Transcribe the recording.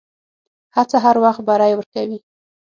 هڅه هر وخت بری ورکوي.